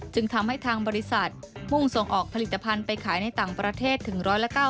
จึงทำให้ทางบริษัทพุ่งส่งออกผลิตภัณฑ์ไปขายในต่างประเทศถึง๑๙๐